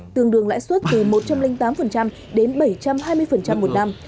tương đương lãi suất từ một trăm linh tám đến bảy trăm hai mươi một năm